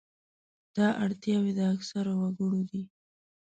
دا اړتیاوې د اکثرو وګړو دي.